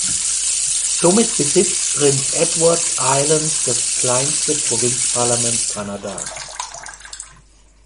Somit besitzt Prince Edward Island das kleinste Provinzparlament Kanadas.